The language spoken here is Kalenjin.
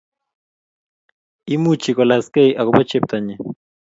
Imuchi kolaskei akobo chepto nyi